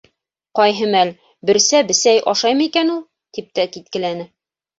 —Ҡайһы мәл: —Бөрсә бесәй ашаймы икән ул? —тип тә киткеләне.